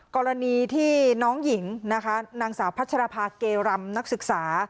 กรณีที่น้องหญิงนะคะนางสาวพัชรภาเกรำนักศึกษา